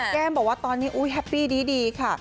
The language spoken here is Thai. แก้มบอกว่าตอนนี้แฮปปี้ดีค่ะ